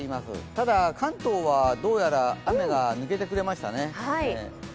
ただ、関東はどうやら雨が抜けてくれましたね。